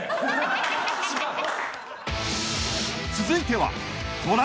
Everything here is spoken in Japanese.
［続いては］